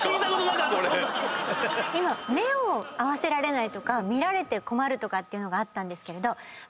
今目を合わせられないとか見られて困るとかっていうのがあったんですけれど。